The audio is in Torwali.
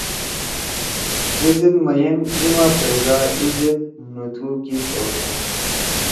ای زید مَین، ای ما پیدا ای زید نُو تُھو کی سودا